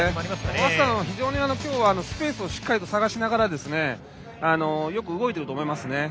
早稲田は非常に今日はスペースをしっかり探しながらよく動いていると思いますね。